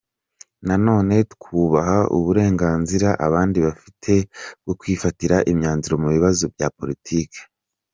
Nanone twubaha uburenganzira abandi bafite bwo kwifatira imyanzuro mu bibazo bya politiki.